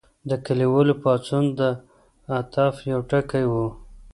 د کلیوالو پاڅون د عطف یو ټکی و.